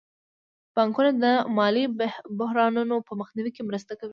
بانکونه د مالي بحرانونو په مخنیوي کې مرسته کوي.